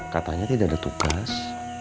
katanya tidak ada tugas